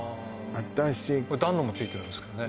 私暖炉もついてるんですけどね